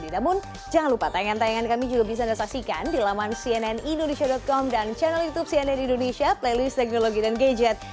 namun jangan lupa tayangan tayangan kami juga bisa anda saksikan di laman cnnindonesia com dan channel youtube cnn indonesia playlist teknologi dan gadget